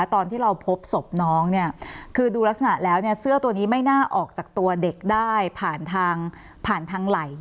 ตอนที่เราพบศพน้องเนี่ยคือดูลักษณะแล้วเนี่ยเสื้อตัวนี้ไม่น่าออกจากตัวเด็กได้ผ่านทางผ่านทางไหล่